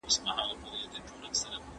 پناه اخيستونکي ته په ورين تندي وګورئ.